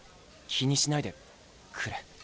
気にしないでくれ。